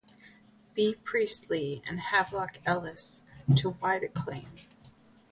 B. Priestley, and Havelock Ellis to wide acclaim.